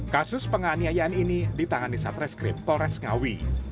kasus penganiayaan ini ditangani satreskrim polres ngawi